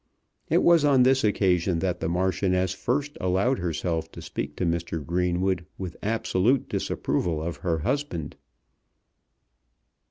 It was on this occasion that the Marchioness first allowed herself to speak to Mr. Greenwood with absolute disapproval of her husband.